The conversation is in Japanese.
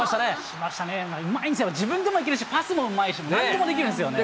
しましたね、うまいんですよ、自分でも行けるし、パスもうまいし、なんでもできるんですよね。